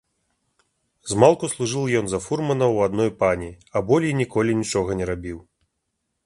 Змалку служыў ён за фурмана ў адной пані, а болей ніколі нічога не рабіў.